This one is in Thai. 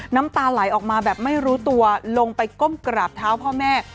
น้ำตาไหลออกมาแบบไม่รู้ตัวลงไปก้มกราบเท้าพ่อแม่